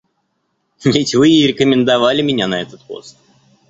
Ведь вы и рекомендовали меня на этот пост.